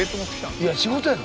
いや仕事やぞ。